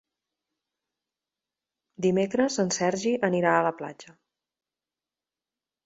Dimecres en Sergi anirà a la platja.